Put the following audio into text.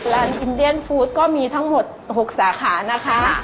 อินเดียนฟู้ดก็มีทั้งหมด๖สาขานะคะ